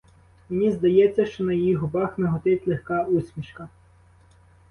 Мені здається, що на її губах миготить легка усмішка.